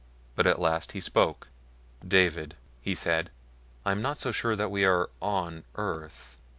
But at last he spoke. "David," he said, "I am not so sure that we are ON earth."